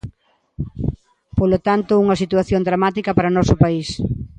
Polo tanto, unha situación dramática para o noso país.